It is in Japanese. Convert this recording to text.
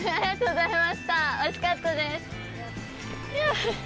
おいしかったです。